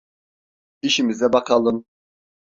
İşimize bakalım.